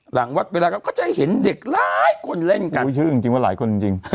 หลังวัดเวลาเขาก็จะเห็นเด็กหลายคนเล่นกันชื่อจริงจริงว่าหลายคนจริง